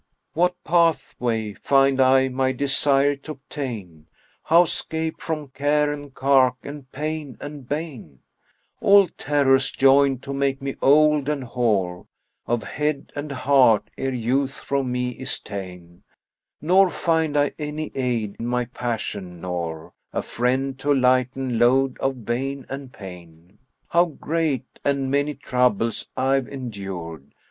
"What pathway find I my desire t'obtain, * How 'scape from care and cark and pain and bane? All terrors join to make me old and hoar * Of head and heart, ere youth from me is ta'en: Nor find I any aid my passion, nor * A friend to lighten load of bane and pain. How great and many troubles I've endured!